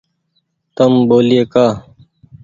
تم ٻولئي ڪآ ۔